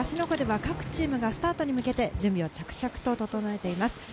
湖では各チームがスタートに向けて準備を着々と整えています。